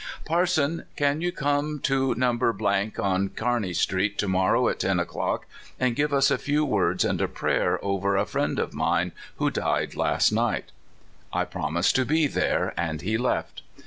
" Parson, can you come to number , on Kear ney street, to morrow at ten o'clock, and give us a few words and a prayer over a friend of mine, who died last night?" I promised to be there, and he left.